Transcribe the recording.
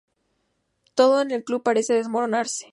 Todo en el club parece desmoronarse.